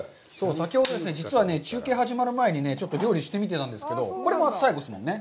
先ほどですね、実はね、中継始まる前にちょっと料理してみてたんですけど、これは最後ですもんね。